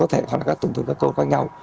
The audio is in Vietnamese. hoặc là tổn thương các cơ quan nhau